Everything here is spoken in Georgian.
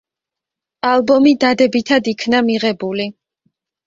ალბომი დადებითად იქნა მიღებული.